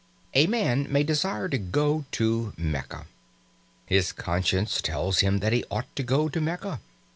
A man may desire to go to Mecca. His conscience tells him that he ought to go to Mecca.